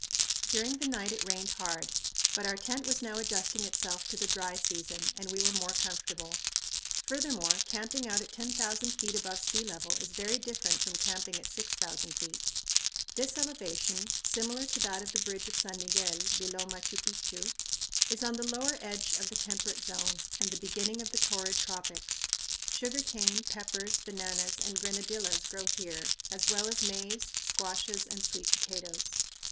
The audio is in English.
During the night it rained hard, but our tent was now adjusting itself to the "dry season" and we were more comfortable. Furthermore, camping out at 10,000 feet above sea level is very different from camping at 6000 feet. This elevation, similar to that of the bridge of San Miguel, below Machu Picchu, is on the lower edge of the temperate zone and the beginning of the torrid tropics. Sugar cane, peppers, bananas, and grenadillas grow here as well as maize, squashes, and sweet potatoes.